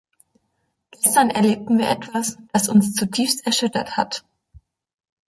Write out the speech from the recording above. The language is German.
Gestern erlebten wir etwas, das uns zutiefst erschüttert hat.